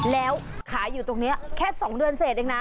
แล้วขายอยู่ตรงนี้แค่๒เดือนเสร็จเองนะ